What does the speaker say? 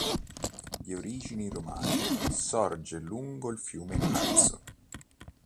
Di origini romane, sorge lungo il fiume Aso.